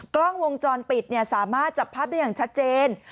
กล้องวงจรปิดสามารถจับภาพได้อย่างชัดเจน